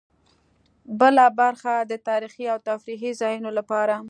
بله برخه د تاریخي او تفریحي ځایونو لپاره.